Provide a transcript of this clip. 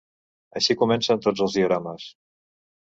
Així comencen tots els diorames.